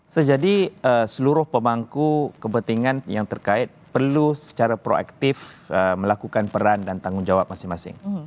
sejadi seluruh pemangku kepentingan yang terkait perlu secara proaktif melakukan peran dan tanggung jawab masing masing